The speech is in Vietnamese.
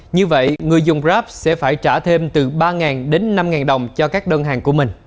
như vậy người dùng rap sẽ phải trả thêm từ ba đến năm đồng